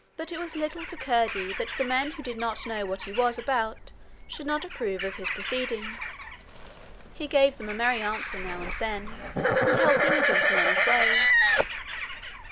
But it was little to Curdie that men who did not know what he was about should not approve of his proceedings. He gave them a merry answer now and then, and held diligently on his way.